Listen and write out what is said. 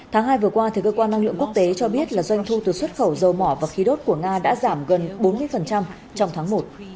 tháng hai vừa qua cơ quan năng lượng quốc tế cho biết là doanh thu từ xuất khẩu dầu mỏ và khí đốt của nga đã giảm gần bốn mươi trong tháng một